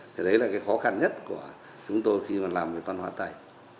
thì đấy là cái khó khăn nhất của chúng tôi khi mà làm về văn hóa tày